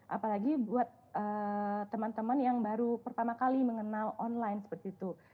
apalagi buat teman teman yang baru pertama kali mengenal online seperti itu